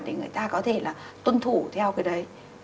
để người ta có thể là tuân thủ theo cái đấy